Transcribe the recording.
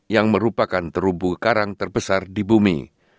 yang merupakan terubu karang terbesar di bumi